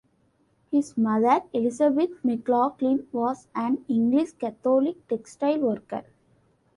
His mother, Elizabeth McLoughlin, was an English Catholic textile worker.